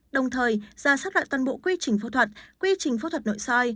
đồng thời ra sát loại toàn bộ quy trình phẫu thuật quy trình phẫu thuật nội soi